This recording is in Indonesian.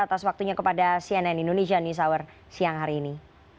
atas waktunya kepada cnn indonesia news hour siang hari ini